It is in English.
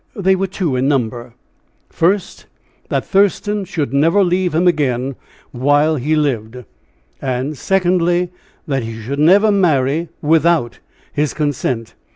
They were two in number, viz., first, that Thurston should never leave him again while he lived; and, secondly, that he should never marry without his consent.